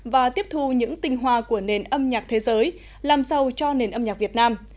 và tiếp thu những tinh hoa của nền âm nhạc thế giới làm sâu cho nền âm nhạc việt nam